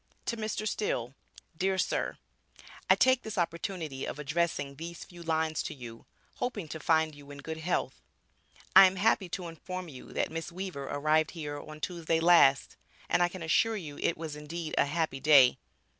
To Mr. Still, Dear Sir: I take this opportunity of addressing these few lines to you hoping to find you in good health I am happy to inform you that Miss Weaver arrived here on Tuesday last, and I can assure you it was indeed a happy day.